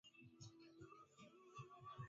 Karibu na Zanzibar ni kisiwa cha Mafia